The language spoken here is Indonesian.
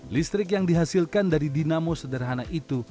listrik yang dihasilkan dari dinamo sederhana itu